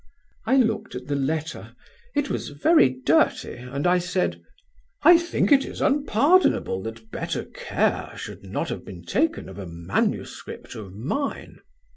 "I looked at the letter; it was very dirty, and I said: "'I think it is unpardonable that better care should not have been taken of a manuscript of mine.'